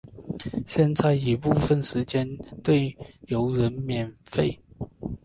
现在已部分时间对游人免费。